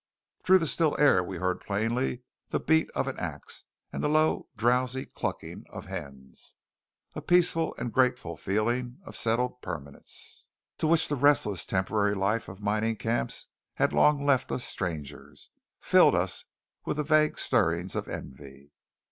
Through the still air we heard plainly the beat of an axe, and the low, drowsy clucking of hens. A peaceful and grateful feeling of settled permanence, to which the restless temporary life of mining camps had long left us strangers, filled us with the vague stirrings of envy.